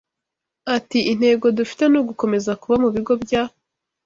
Ati "Intego dufite ni ugukomeza kuba mu bigo bya